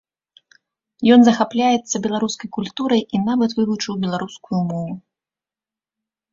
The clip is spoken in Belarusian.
Ён захапляецца беларускай культурай і нават вывучыў беларускую мову.